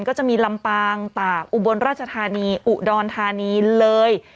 ก็จะมีลำปางตากอุบลราชธานีอุดรธานีเลย